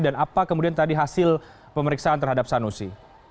dan apa kemudian tadi hasil pemeriksaan terhadap sanusi